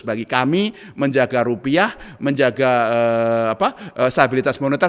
bagi kami menjaga rupiah menjaga stabilitas moneter